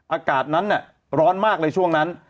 อากาศนั้นร้อนมากเลยช่วงนั้น